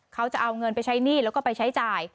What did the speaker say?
เขาจะเอาเงินไปใช้หนี้แล้วก็ไปใช้จ่าย